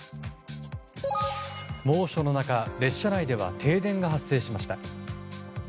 猛暑の中、列車内では停電が発生しました。